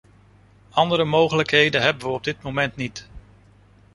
Andere mogelijkheden hebben we op dit moment niet.